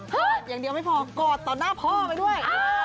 อดอย่างเดียวไม่พอกอดต่อหน้าพ่อไปด้วย